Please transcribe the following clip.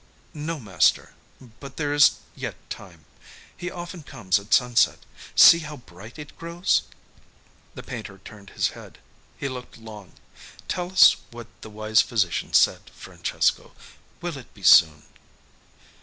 "No, master. But there is yet time. He often comes at sunset. See how bright it grows." The painter turned his head. He looked long. "Tell us what the wise physician said, Francesco. Will it be soon?"